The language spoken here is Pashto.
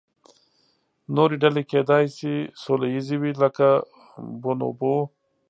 نورې ډلې کیدای شي سوله ییزې وي، لکه بونوبو.